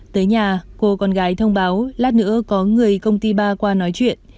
tới nhà cô con gái thông báo lát nữa có người công ty ba qua nói chuyện